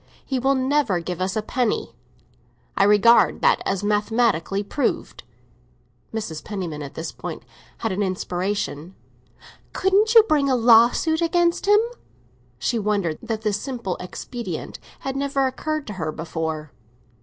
He will never give us a penny; I regard that as mathematically proved." Mrs. Penniman at this point had an inspiration. "Couldn't you bring a lawsuit against him?" She wondered that this simple expedient had never occurred to her before.